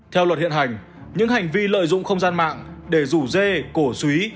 theo luật hiện hành những hành vi lợi dụng không gian mạng để rủ dê cổ suý